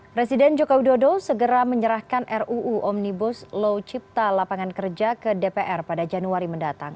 presiden jokowi dodo segera menyerahkan ruu omnibus law cipta lapangan kerja ke dpr pada januari mendatang